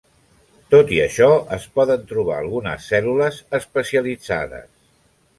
Tot i això, es poden trobar algunes cèl·lules especialitzades.